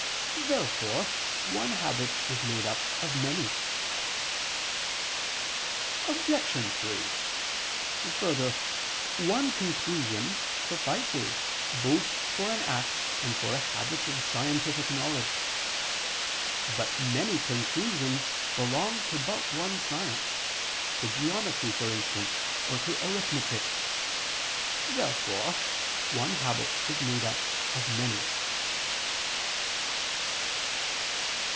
Therefore one habit is made up of many. Obj. 3: Further, one conclusion suffices both for an act and for a habit of scientific knowledge. But many conclusions belong to but one science, to geometry, for instance, or to arithmetic. Therefore one habit is made up of many.